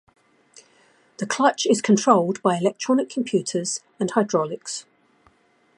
The clutch is controlled by electronic computers and hydraulics.